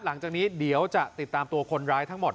หลังจากนี้เดี๋ยวจะติดตามตัวคนร้ายทั้งหมด